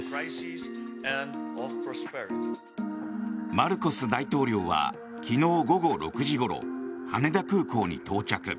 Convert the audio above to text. マルコス大統領は昨日午後６時ごろ羽田空港に到着。